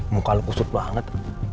muka lu kusut banget